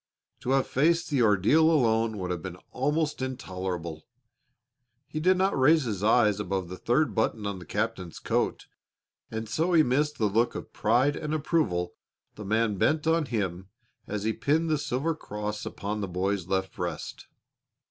To have faced the ordeal alone would have been almost intolerable. He did not raise his eyes above the third button on the captain's coat, and so he missed the look of pride and approval the man bent on him as he pinned the silver cross upon the boy's left breast.